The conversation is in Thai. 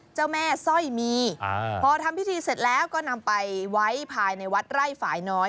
เจ้าแม่สร้อยมีพอทำพิธีเสร็จแล้วก็นำไปไว้ภายในวัดไร่ฝ่ายน้อย